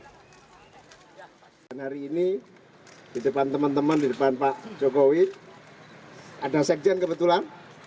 dan hari ini di depan teman teman di depan pak jokowi ada sekjen kebetulan